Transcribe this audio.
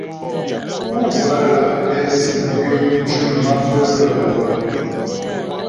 Pú bə́́ lǎ' tɛ sìm gwyə̌ mcʉ̀m maə́bʉə̌'ə nə́ ŋwə̌.